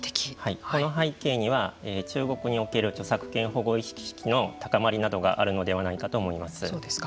この背景には中国における著作権保護意識の高まりなどがあるのではないかと思います。